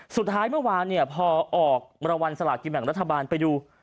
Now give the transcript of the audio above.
สุดท้ายเมื่อวานเนี่ยพอออกรางวัลสลากินแบ่งรัฐบาลไปดู